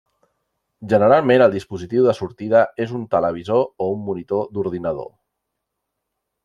Generalment el dispositiu de sortida és un televisor o un monitor d'ordinador.